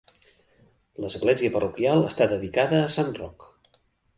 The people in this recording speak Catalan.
L'església parroquial està dedicada a Sant Roc.